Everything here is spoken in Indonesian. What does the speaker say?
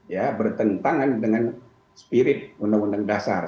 ya bertentangan dengan spirit ru dasar